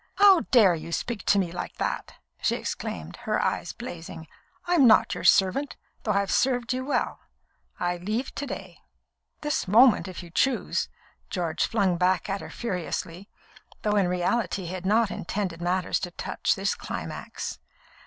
"How dare you speak to me like that!" she exclaimed, her eyes blazing. "I'm not your servant, though I have served you well. I leave to day." "This moment, if you choose," George flung back at her furiously, though in reality he had not intended matters to touch this climax.